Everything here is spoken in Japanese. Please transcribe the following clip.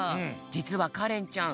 じつはかれんちゃん